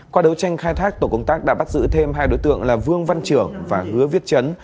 qua đấu tranh khai thác tổ công tác đã bắt giữ thêm hai đối tượng là vương văn trưởng và hứa viết chấn